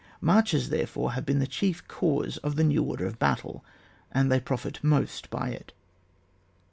Marches, therefore, have been the chief cause of the new order of battle, and they profit most by it.